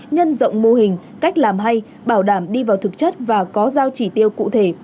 nhân rộng mô hình cách làm hay bảo đảm đi vào thực chất và có giao chỉ tiêu cụ thể